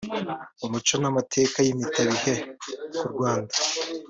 Umuco n’Amateka y’impitabihe ku Rwanda